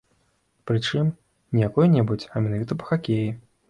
Прычым не якой-небудзь, а менавіта па хакеі.